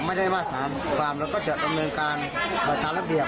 ไม่ได้มาตรฐานสารแล้วก็เปิดลำเนินการเอาตามระเบียบ